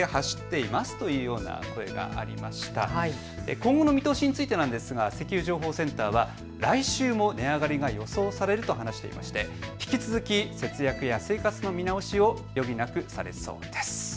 今後の見通しについて石油情報センターは来週も値上がりが予想されると話していまして引き続き節約や生活の見直しを余儀なくされそうです。